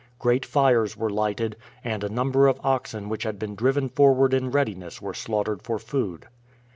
Great fires were lighted, and a number of oxen which had been driven forward in readiness were slaughtered for food.